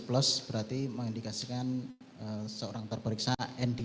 plus berarti mengindikasikan seorang terperiksa nd